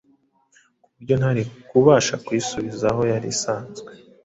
ku buryo ntari kubasha kuyisubiza aho yari isanzwe